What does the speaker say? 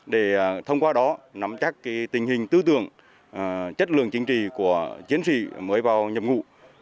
để thông qua đó nắm chắc tình hình tư tưởng chất lượng chính trị của chiến sĩ mới vào nhập ngũ